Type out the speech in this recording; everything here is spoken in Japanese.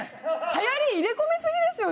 流行り入れ込みすぎですよ